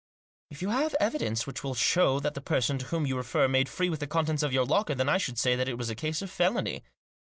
" If you have evidence which will show that the person to whom you refer made free with the contents of your locker, then I should say that it was a case of felony.